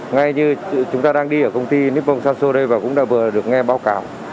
ngay như chúng ta đang đi ở công ty nipponsan sô đây và cũng đã vừa được nghe báo cáo